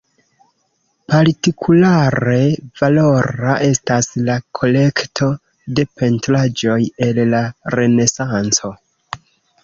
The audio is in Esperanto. Partikulare valora, estas la kolekto de pentraĵoj el la Renesanco.